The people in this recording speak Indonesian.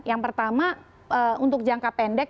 yang pertama untuk jangka pendek